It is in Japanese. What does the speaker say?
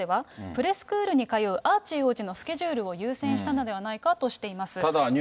プレスクールに通うアーチー王子のスケジュールを優先したのではないかとしています。